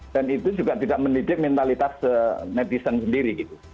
dan itu juga tidak mendidik mentalitas netizen sendiri